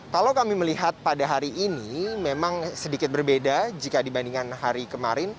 kalau kami melihat pada hari ini memang sedikit berbeda jika dibandingkan hari kemarin